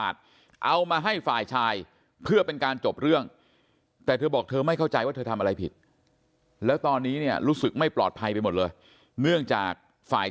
และตอนนี้เนี่ยรู้สึกไม่ปลอดภัยไปหมดเลย